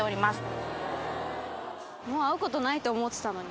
「もう会うことないと思ってたのに」